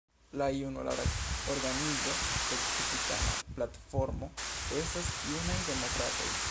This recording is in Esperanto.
La junulara organizo de Civitana Platformo estas Junaj Demokratoj.